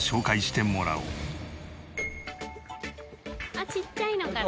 あっちっちゃいのから。